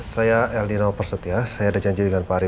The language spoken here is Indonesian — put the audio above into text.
saya eldina operset ya saya ada janji dengan pak ari